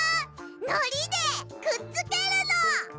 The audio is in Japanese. のりでくっつけるの！